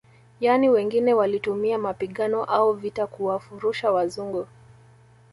Yani wengine walitumia mapigano au vita kuwafurusha wazungu